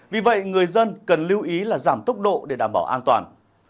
vì vậy người dân cần lưu ý là giảm tốc độ để đảm bảo an toàn